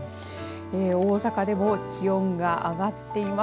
大阪でも気温が上がっています。